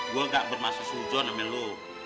gue gak bermaksud sujudan sama lu